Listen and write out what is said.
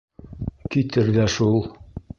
Китер ҙә шул.